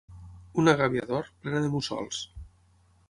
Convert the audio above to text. Una gàbia d'or, plena de mussols.